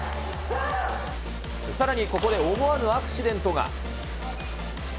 さらに、ここで思わぬアクシデントが。